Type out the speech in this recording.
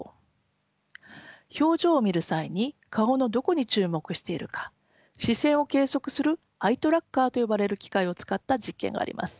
表情を見る際に顔のどこに注目しているか視線を計測するアイトラッカーと呼ばれる機械を使った実験があります。